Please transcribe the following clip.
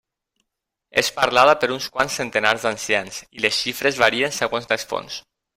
És parlada per uns quants centenars d'ancians i les xifres varien segons les fonts.